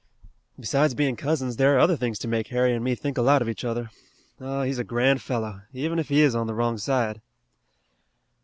Besides being cousins, there are other things to make Harry and me think a lot of each other. Oh, he's a grand fellow, even if he is on the wrong side!"